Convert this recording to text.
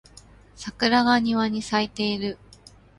桜が庭に咲いている